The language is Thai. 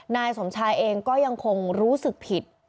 นายสมชายเองก็ยังคงรู้สึกผิด